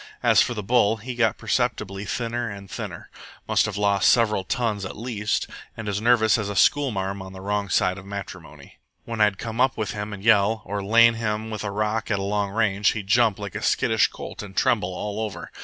As for the bull, he got perceptibly thinner and thinner must have lost several tons at least and as nervous as a schoolmarm on the wrong side of matrimony. When I'd come up with him and yell, or lain him with a rock at long range, he'd jump like a skittish colt and tremble all over.